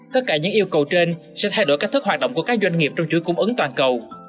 tất cả những yêu cầu trên sẽ thay đổi cách thức hoạt động của các doanh nghiệp trong chuỗi cung ứng toàn cầu